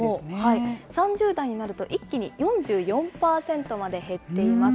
３０代になると、一気に４４％まで減っています。